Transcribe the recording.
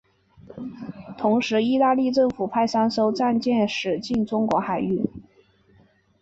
同时意大利政府派三艘战舰驶进中国海域。